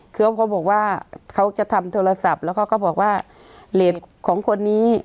คือเขาบอกว่าเขาจะทำโทรศัพท์แล้วเขาก็บอกว่าเลสของคนนี้